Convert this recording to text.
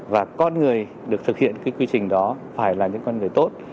và con người được thực hiện cái quy trình đó phải là những con người tốt